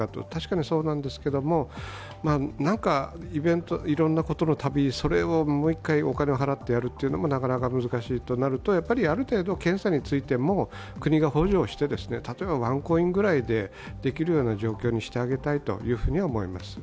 確かにそうなんですけれども、何かいろんなことのたびにそれをもう１回お金を払ってやるのもなかなか難しいとなるとやはりある程度、検査についても国が補助をして例えばワンコインくらいでできるような状況にしてあげたいと思います。